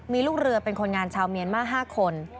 มีลูกเรือเป็นคนงานชาวเมียนมาร์๕คน